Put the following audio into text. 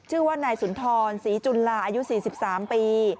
ชื่อว่านายสุนทรศรีจุลลาอายุ๔๓ปี